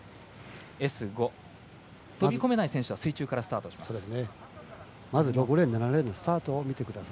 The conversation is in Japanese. Ｓ５、飛び込めない選手は水中からスタートします。